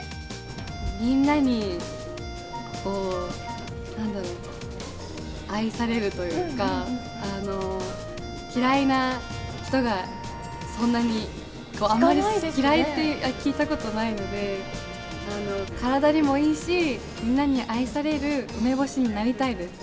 みんなに、なんだろう、愛されるというか、嫌いな人が、そんなに、あんまり嫌いって聞いたことがないので、体にもいいし、みんなに愛される梅干しになりたいです。